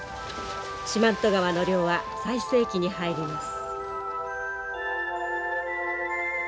四万十川の漁は最盛期に入ります。